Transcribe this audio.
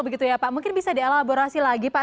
begitu ya pak mungkin bisa dialaborasi lagi pak